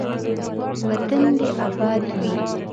وطن دې اباد وي.